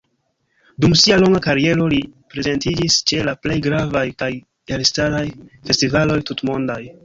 Dum sia longa kariero li prezentiĝis ĉe la plej gravaj kaj elstaraj festivaloj tutmondaj.